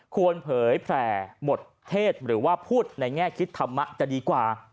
เผยแผลหมดเทศหรือว่าพูดในแง่คิดธรรมะจะดีกว่า